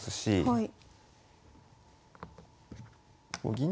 はい。